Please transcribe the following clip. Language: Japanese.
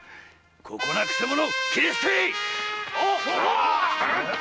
ここな曲者斬り捨てい！